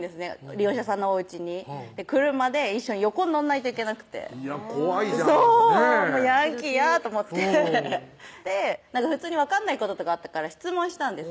利用者さんのおうちに車で一緒に横に乗んないといけなくて怖いじゃんそうヤンキー嫌と思って分かんないこととかあったから質問したんです